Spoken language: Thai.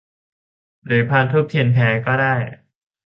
หรือพานธูปเทียนแพรก็ได้